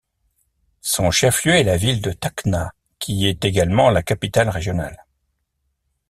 Son chef-lieu est la ville de Tacna, qui est également la capitale régionale.